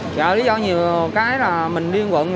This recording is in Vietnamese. chợ lý do nhiều cái là mình đi liên quận